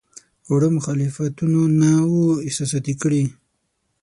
وړو مخالفتونو نه وو احساساتي کړی.